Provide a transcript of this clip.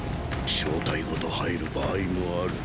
小隊ごと入る場合もある。